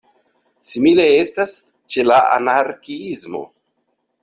Simile estas ĉe la anarkiismo.